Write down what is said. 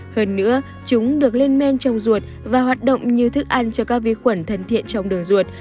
hơn nữa chúng được lên men trong ruột và hoạt động như thức ăn cho các vi khuẩn thân thiện trong đường ruột